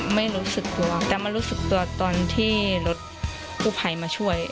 ไม่รู้สึกตัวแต่มารู้สึกตัวตอนที่รถกู้ภัยมาช่วย